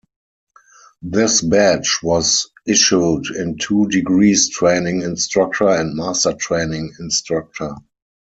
This badge was issued in two degrees Training Instructor and Master Training Instructor.